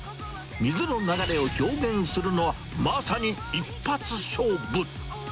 水の流れを表現するのは、まさに一発勝負。